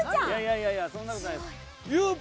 いやいやそんなことないです。